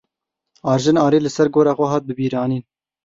Arjen Arî li ser gora xwe hat bibîranîn.